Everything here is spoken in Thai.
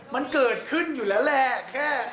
มันเกิดขึ้นอยู่แล้วแหละแค่